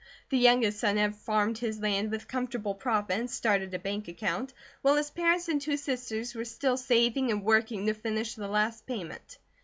The youngest son had farmed his land with comfortable profit and started a bank account, while his parents and two sisters were still saving and working to finish the last payment.